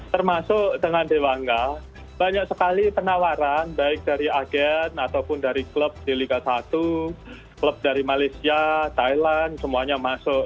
termasuk dengan dewangga banyak sekali penawaran baik dari agen ataupun dari klub di liga satu klub dari malaysia thailand semuanya masuk